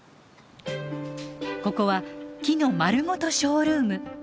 ここは木のまるごとショールーム。